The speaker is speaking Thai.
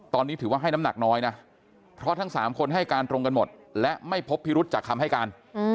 ตอนนี้ถือว่าให้น้ำหนักน้อยนะเพราะทั้ง๓คนให้การตรงกันหมดและไม่พบพิรุษจากคำให้การ